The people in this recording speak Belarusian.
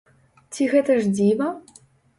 Ці гэта ж дзіва?!